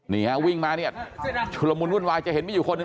เนี่ยวิ่งมาเนี่ยชุดระมุลวายเฉพาะเห็นไม่อยู่คนหนึ่ง